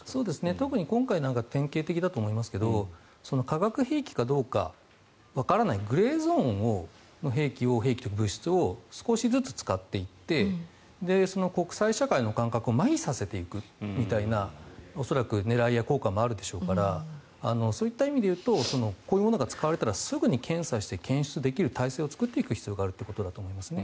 特に今回は典型的だと思いますが化学兵器かどうかわからないグレーゾーンの兵器というか物質を少しずつ使っていって国際社会の感覚をまひさせていくみたいな恐らく狙いや効果もあるでしょうからそういった意味で言うとこういうものが使われたらすぐに検査して検出できる体制を作っていく必要があるということだと思います。